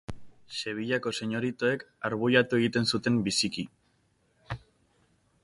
Sevillako señoritoek arbuiatu egiten zuten biziki.